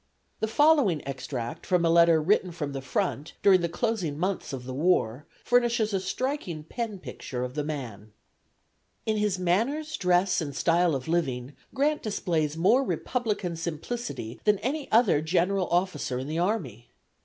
The following extract from a letter written from the "front" during the closing months of the war furnishes a striking pen picture of the man: "In his manners, dress and style of living Grant displays more republican simplicity than any other general officer in the army.